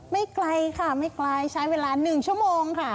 ไม่ไกลค่ะไม่ไกลใช้เวลา๑ชั่วโมงค่ะ